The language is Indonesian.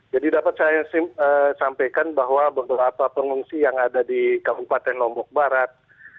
jadi dapat saya sampaikan bahwa beberapa pengungsi yang ada di kabupaten lombok barat